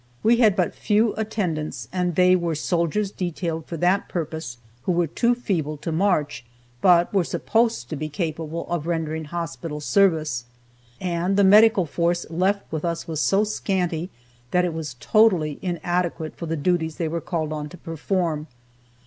We had but few attendants, and they were soldiers detailed for that purpose who were too feeble to march, but were supposed to be capable of rendering hospital service. And the medical force left with us was so scanty that it was totally inadequate for the duties they were called on to perform.